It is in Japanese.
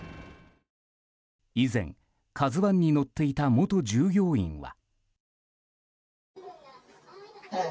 以前、「ＫＡＺＵ１」に乗っていた元従業員は。